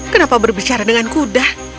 kenapa berbicara dengan kuda